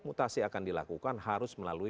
mutasi akan dilakukan harus melalui